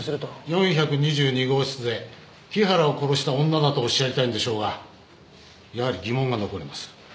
４２２号室で木原を殺した女だとおっしゃりたいんでしょうがやはり疑問が残ります。